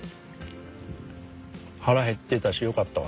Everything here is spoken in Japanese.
腹減ってたしよかったわ。